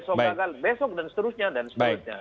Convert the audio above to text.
besok gagal besok dan seterusnya dan seterusnya